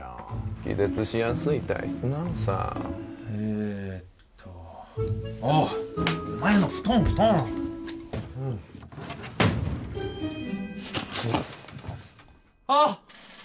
気絶しやすい体質なのさ・えーっとおおお前の布団布団あッ！